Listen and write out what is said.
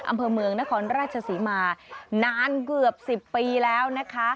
อำเภอเมืองนครราชศรีมานานเกือบ๑๐ปีแล้วนะคะ